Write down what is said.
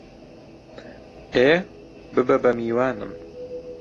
ئێ، ببە بە میوانم!